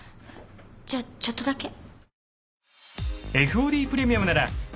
じゃあちょっとだけ。